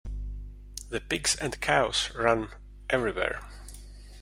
The pigs and cows ran everywhere.